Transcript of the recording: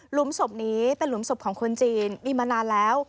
ศพนี้เป็นหลุมศพของคนจีนมีมานานแล้ว